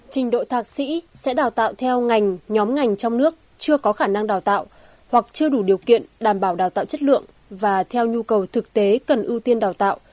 trình độ thạc sĩ sẽ đào tạo theo ngành nhóm ngành trong nước chưa có khả năng đào tạo hoặc chưa đủ điều kiện đảm bảo đào tạo chất lượng và theo nhu cầu thực tế cần ưu tiên đào tạo